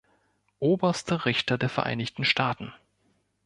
Oberste Richter der Vereinigten Staaten.